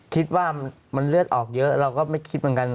คิดว่ามันเลือดออกเยอะเราก็ไม่คิดเหมือนกัน